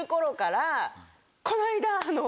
この間。